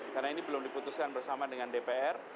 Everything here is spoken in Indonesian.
karena ini belum diputuskan bersama dengan dpr